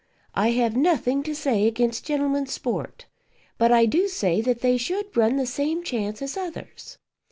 I have nothing to say against gentlemen's sport; but I do say that they should run the same chance as others.